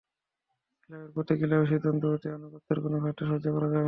ক্লাবের প্রতি, ক্লাবের সিদ্ধান্তের প্রতি আনুগত্যের কোনো ঘাটতিও সহ্য করা হবে না।